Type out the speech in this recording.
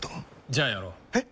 じゃあやろう。え？